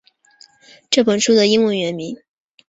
这本书的英文原名